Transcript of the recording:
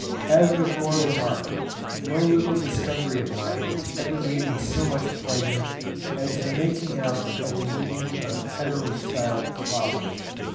As before remarked, no little discovery of mine ever gave me so much pleasure as the making out the meaning of heterostyled flowers.